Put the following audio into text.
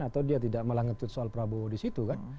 atau dia tidak melanggar soal prabowo di situ kan